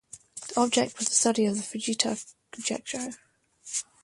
The object was the study of the Fujita conjecture.